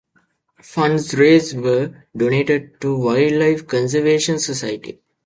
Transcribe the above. Funds raised were donated to Wildlife Conservation Society.